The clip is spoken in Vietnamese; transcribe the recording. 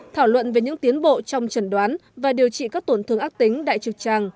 thảo luận về những tiến bộ trong trần đoán và điều trị các tổn thương ác tính đại trực tràng